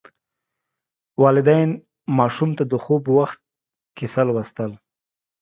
والدین ماشوم ته د خوب وخت کیسه لوستل.